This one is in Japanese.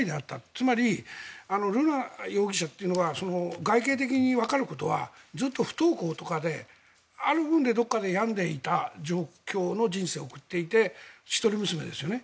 つまり、瑠奈容疑者というのは外形的にわかることはずっと不登校とかである部分で、やんでいた状況の人生を送っていて一人娘ですよね。